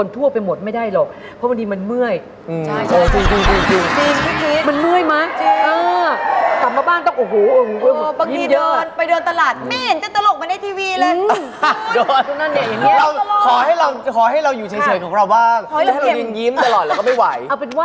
ถ้าข้อให้เรารียงยิ้มตลอดเราก็ไม่ไหว